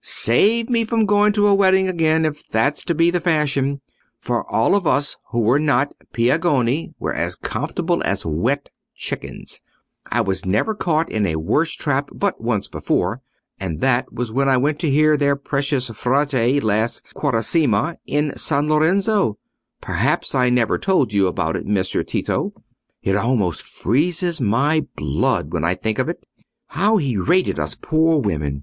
Save me from going to a wedding again, if that's to be the fashion; for all of us who were not Piagnoni were as comfortable as wet chickens. I was never caught in a worse trap but once before, and that was when I went to hear their precious Frate last Quaresima in San Lorenzo. Perhaps I never told you about it, Messer Tito?—it almost freezes my blood when I think of it. How he rated us poor women!